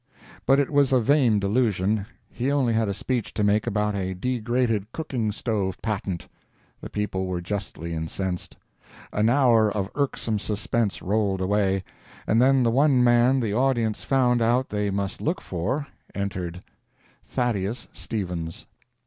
But it was a vain delusion—he only had a speech to make about a degraded cooking stove patent. The people were justly incensed. An hour of irksome suspense rolled away, and then the one man the audience found out they must look for, entered—Thaddeus Stevens.